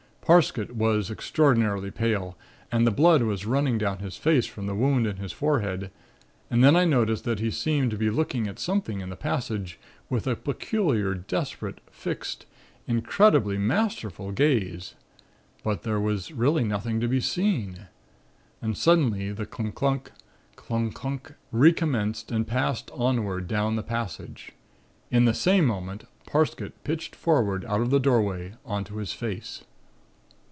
Parsket was extraordinarily pale and the blood was running down his face from the wound in his forehead; and then I noticed that he seemed to be looking at something in the passage with a peculiar, desperate, fixed, incredibly masterful gaze. But there was really nothing to be seen. And suddenly the clungk, clunk clungk, clunk recommenced and passed onward down the passage. In the same moment Parsket pitched forward out of the doorway on to his face.